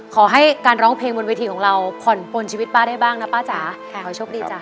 ขอให้การร้องเพลงบนเวทีของเราผ่อนปนชีวิตป้าได้บ้างนะป้าจ๋าขอโชคดีจ้